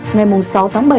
ngày sáu tháng bảy